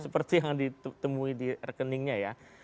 seperti yang ditemui di rekeningnya ya